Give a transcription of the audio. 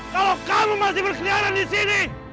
kalau kamu masih berseliaran di sini